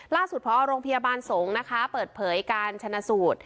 ล่าสุดพอรงพยาบาลสงศ์เปิดเผยการชนะสูท